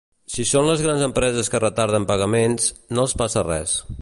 Si són les grans empreses que retarden pagaments, no els passa res.